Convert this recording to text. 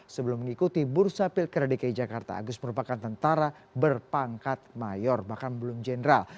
sebelum mengikuti bursa pilkada dki jakarta agus merupakan tentara berpangkat mayor bahkan belum general